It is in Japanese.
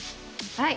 はい。